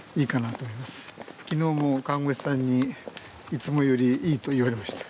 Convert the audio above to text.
昨日も看護師さんにいつもよりいいと言われました。